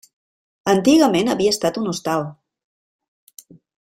Antigament havia estat un hostal.